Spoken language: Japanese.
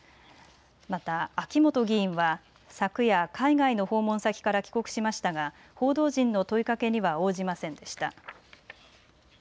また秋本議員は昨夜、海外の訪問先から帰国しましたが報道陣の問いかけには応じませんでした。